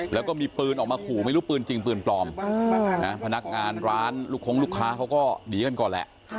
แล้วก็มีปืนออกมาขู่ไม่รู้ปืนจริงปืนปลอมพนักงานร้านลูกคงลูกค้าเขาก็หนีกันก่อนแหละ